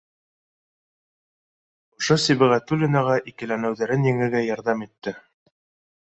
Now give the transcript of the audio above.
Ошо Сибәғәтуллинаға икеләнеүҙәрен еңергә ярҙам итте